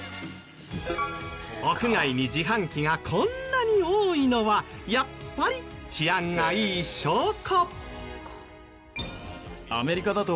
屋外に自販機がこんなに多いのはやっぱり治安がいい証拠。